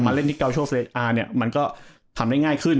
แต่มาเล่นที่เกาโชว์เซรียส์อาร์เนี้ยมันก็ทำได้ง่ายขึ้น